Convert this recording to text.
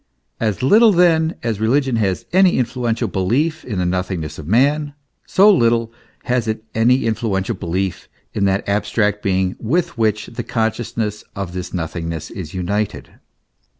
As little then as religion has any influential belief in the nothingness of man,* so little has it any influential belief in that abstract being with which the consciousness of this nothingness is united.